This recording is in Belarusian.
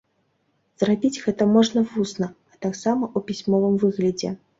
Зрабіць гэта можна вусна, а таксама ў пісьмовым выглядзе.